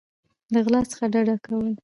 د غلا څخه ډډه کول